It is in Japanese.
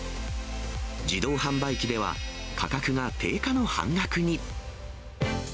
自動販売機では、価格が定価の半額に。